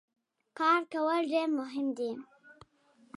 کار کول ډیر مهم دي.